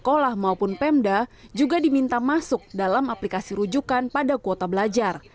sekolah maupun pemda juga diminta masuk dalam aplikasi rujukan pada kuota belajar